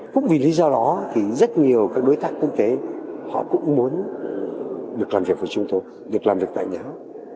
cũng vì lý do đó thì rất nhiều các đối tác quốc tế họ cũng muốn được làm việc với chúng tôi được làm việc tại nhà hát